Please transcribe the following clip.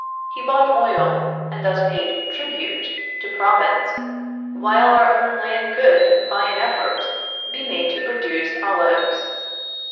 He bought oil, and thus paid tribute to Province, while our own land could, by an effort, be made to produce olives.